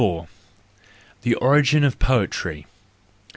The Origin of Poetry